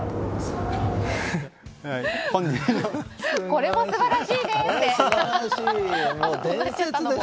これも素晴らしいですって。